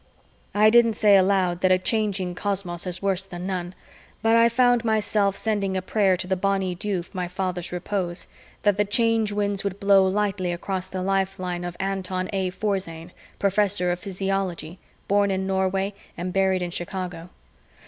I didn't say aloud that a Changing cosmos is worse than none, but I found myself sending a prayer to the Bonny Dew for my father's repose, that the Change Winds would blow lightly across the lifeline of Anton A. Forzane, professor of physiology, born in Norway and buried in Chicago.